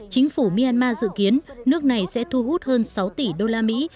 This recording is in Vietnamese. chính phủ myanmar dự kiến nước này sẽ thu hút hơn sáu tỷ đô la mỹ